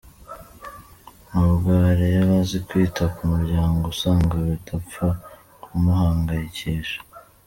Ni ubwo Aella azi kwita ku muryango usanga bidapfa kumuhangayikisha , aba yabifashe nk’ibyoroshye.